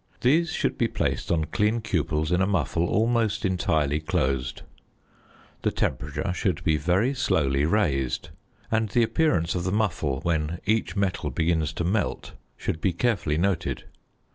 These should be placed on clean cupels in a muffle almost entirely closed; the temperature should be very slowly raised, and the appearance of the muffle when each metal begins to melt should be carefully noted.